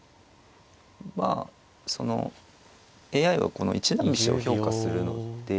まあそのＡＩはこの一段飛車を評価するので。